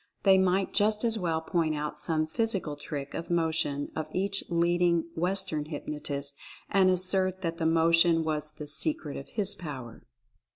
They might just as well point out some physical trick of motion of each leading Western hypnotist and assert that the motion was the "secret of his power."